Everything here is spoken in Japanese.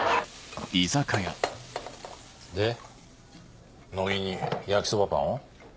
で乃木に焼きそばパンを？